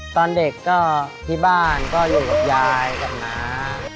ตอนเด็กก็ที่บ้านก็อยู่กับยายกับน้า